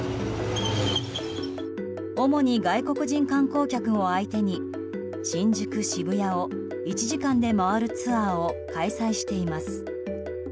主に外国人観光客を相手に新宿、渋谷を１時間で回るツアーを開催しています。